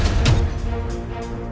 nenek di mana nek